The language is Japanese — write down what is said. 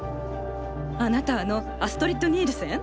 あなたあのアストリッド・ニールセン？